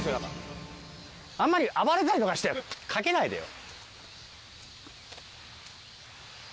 あんまり暴れたりとかしてかけないでよ。